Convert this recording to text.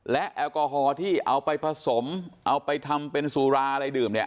และแอลกอฮอล์ที่เอาไปผสมเอาไปทำเป็นสุราอะไรดื่มเนี่ย